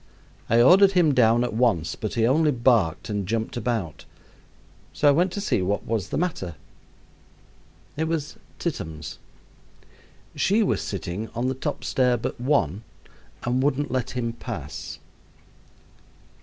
I ordered him down at once, but he only barked and jumped about, so I went to see what was the matter. It was Tittums. She was sitting on the top stair but one and wouldn't let him pass.